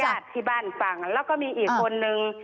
ญาติที่บ้านฟังแล้วก็มีอีกคนนึง